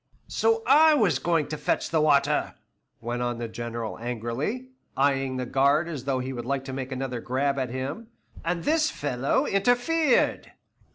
"So I was going to fetch the water," went on the General angrily, eying the guard as though he would like to make another grab at him, "and this fellow interfered."